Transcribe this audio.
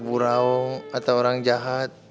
pilih dulu deh